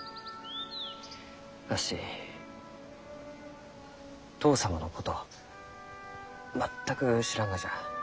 わし父様のこと全く知らんがじゃ。